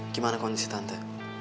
gimana kondisi tante